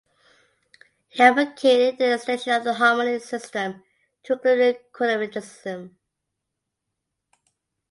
He advocated the extension of the harmony system to include chromaticism.